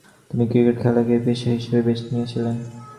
তিনি ক্রিকেট খেলাকেই পেশা হিসেবে বেছে নিয়েছিলেন।